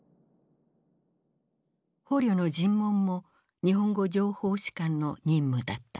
捕虜の尋問も日本語情報士官の任務だった。